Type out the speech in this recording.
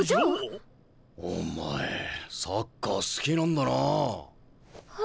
お前サッカー好きなんだなあ。